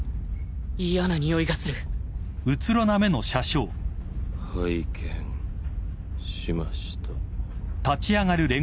嫌なにおいがする拝見しました。